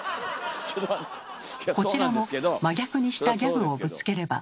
こちらも真逆にしたギャグをぶつければ。